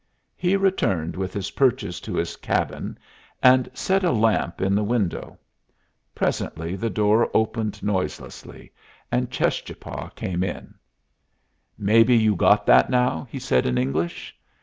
He returned with his purchase to his cabin, and set a lamp in the window. Presently the door opened noiselessly, and Cheschapah came in. "Maybe you got that now?" he said, in English.